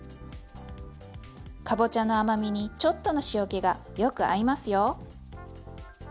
かぼちゃの甘みにちょっとの塩気がよく合いますよ。